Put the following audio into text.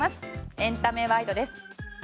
エンタメワイドです。